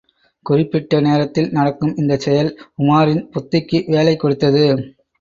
குறிப்பிட்ட நேரத்தில் நடக்கும் இந்தச் செயல் உமாரின் புத்திக்கு வேலை கொடுத்தது.